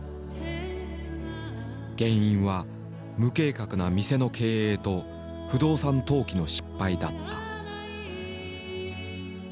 原因は無計画な店の経営と不動産投機の失敗だった。